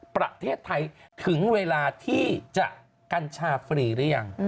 ประเทศไทยถึงเวลาที่จะกัญชาฟรีหรือยัง